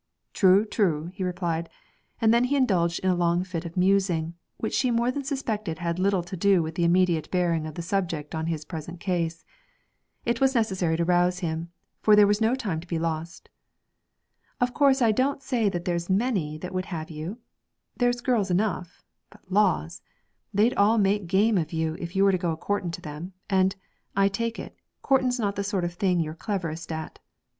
'True, true,' he replied; and then he indulged in a long fit of musing, which she more than suspected had little to do with the immediate bearing of the subject on his present case. It was necessary to rouse him, for there was no time to be lost. 'Of course I don't say that there's many that would have you; there's girls enough but laws! they'd all make game of you if you were to go a courting to them, and, I take it, courting's not the sort of thing you're cleverest at.'